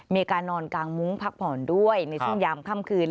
มีการนอนกางมุ้งพักผ่อนด้วยในช่วงยามค่ำคืน